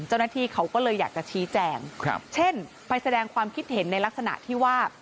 เจ้าหน้าที่เขาก็เลยอยากจะชี้แจงเช่นไปแสดงความคิดเห็นในลักษณะที่ว่า